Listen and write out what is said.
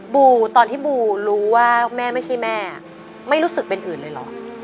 บูตอนที่บูรู้ว่าแม่ไม่ใช่แม่ไม่รู้สึกเป็นอื่นเลยเหรอ